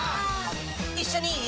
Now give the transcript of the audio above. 一緒にいい？